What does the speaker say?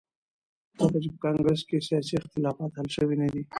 ځکه چې په کانګرس کې سیاسي اختلافات حل شوي ندي.